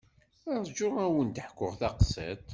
Rju ad wen-d-ḥkuɣ taqsiṭ.